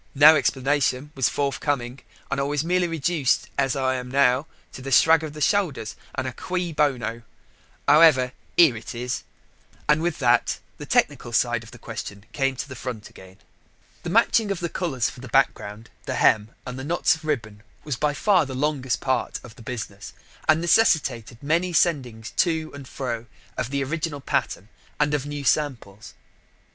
no explanation was forthcoming. And I was merely reduced, as I am now, to a shrug of the shoulders, and a cui bono. However, here it is," and with that the technical side of the question came to the front again. The matching of the colours for the background, the hem, and the knots of ribbon was by far the longest part of the business, and necessitated many sendings to and fro of the original pattern and of new samples.